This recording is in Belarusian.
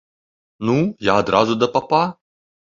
Ну, я адразу да папа.